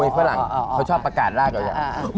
เขาชอบประกาศราชอย่าง